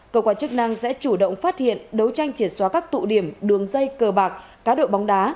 cơ quan chức năng sẽ chủ động phát hiện đấu tranh triệt xóa các tụ điểm đường dây cờ bạc cá độ bóng đá